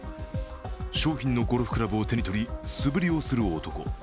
商品のゴルフクラブを手にとり、素振りをする男。